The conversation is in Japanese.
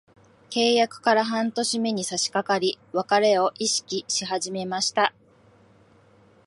契約から半年目に差しかかり、別れを意識し始めました。